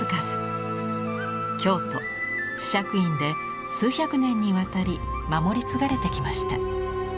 京都・智積院で数百年にわたり守り継がれてきました。